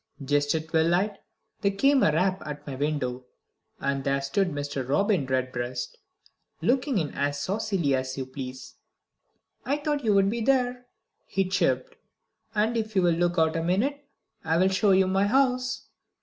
Just at twilight there came a rap at my window, and there stood Mr. Robin Redbreast, looking in as saucily as you please. "I thought you'd be there," he chirped; "and if you will look out a minute, I'll show you my house."